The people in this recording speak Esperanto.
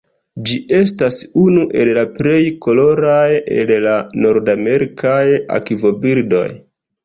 Ĝi estas unu el la plej koloraj el la nordamerikaj akvobirdoj.